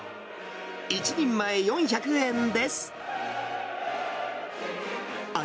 １人前４００円です。